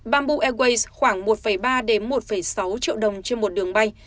bamboo airways khoảng một ba một sáu triệu đồng trên một đường bay